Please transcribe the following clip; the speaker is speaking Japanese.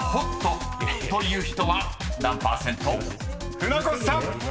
［船越さん］